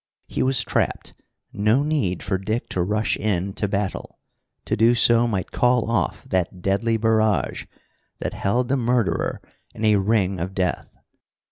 He was trapped. No need for Dick to rush in to battle. To do so might call off that deadly barrage that held the murderer in a ring of death.